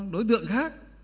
đối tượng khác